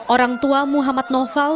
orang tua muhammad noval